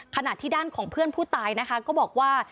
ขณะที่ด้านของเพื่อนผู้ตายนะคะก็บอกว่า